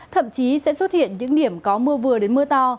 thậm chí sẽ xuất hiện những điểm có mưa vừa đến mưa to